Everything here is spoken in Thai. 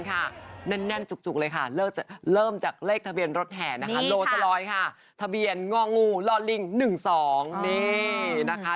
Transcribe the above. อายุแอนโทเนียนเนี่ยค่ะ